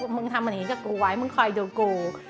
มึงทำอันนี้กับกูไว้มึงคอยดูกู